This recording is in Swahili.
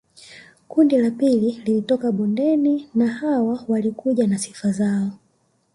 Kundi la pili lilitoka bondeni na hawa walikuja na sifa zao